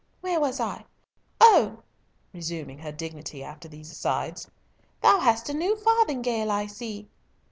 "Where was I? O—" (resuming her dignity after these asides) "Thou hast a new farthingale, I see."